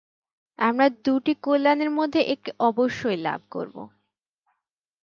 আমরা দুইটি কল্যাণের মধ্যে একটি অবশ্যই লাভ করবো।